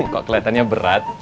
kok keliatannya berat